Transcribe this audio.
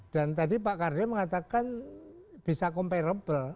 dan tadi pak kardia mengatakan bisa comparable